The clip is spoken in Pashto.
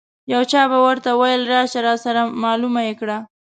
یو چا به ورته ویل راشه راسره معلومه یې کړه.